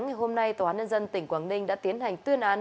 ngày hôm nay tòa án nhân dân tỉnh quảng ninh đã tiến hành tuyên án